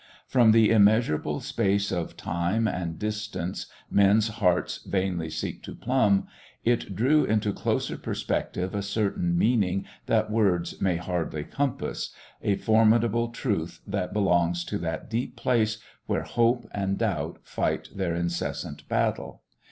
From the immeasurable space of time and distance men's hearts vainly seek to plumb, it drew into closer perspective a certain meaning that words may hardly compass, a formidable truth that belongs to that deep place where hope and doubt fight their incessant battle.